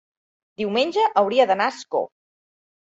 diumenge hauria d'anar a Ascó.